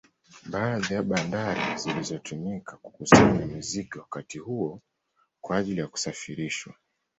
Baadhi ya bandari zilizotumika kukusanya mizigo wakati huo kwa ajili ya kusafirishwa